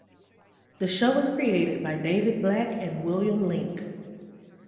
The show was created by David Black and William Link.